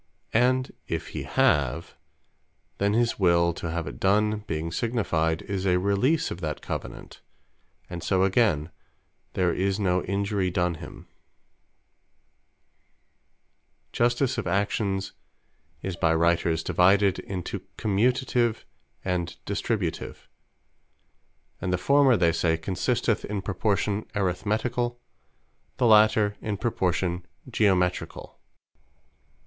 And if he have; then his Will to have it done being signified, is a release of that Covenant; and so again there is no Injury done him. Justice Commutative, And Distributive Justice of Actions, is by Writers divided into Commutative, and Distributive; and the former they say consisteth in proportion Arithmeticall; the later in proportion Geometricall.